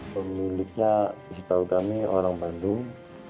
pemiliknya setahu kami orang bandung